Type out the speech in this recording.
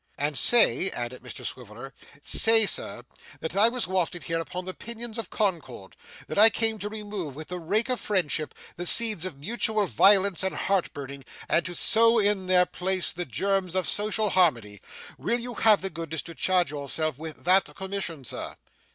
'And say,' added Mr Swiveller, 'say, sir, that I was wafted here upon the pinions of concord; that I came to remove, with the rake of friendship, the seeds of mutual violence and heart burning, and to sow in their place, the germs of social harmony. Will you have the goodness to charge yourself with that commission, Sir?